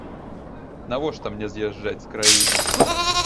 Навошта мне з'язджаць з краіны?